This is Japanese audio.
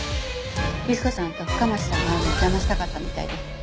雪子さんと深町さんが会うのを邪魔したかったみたいで。